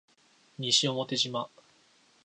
西表島